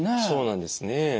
そうなんですね。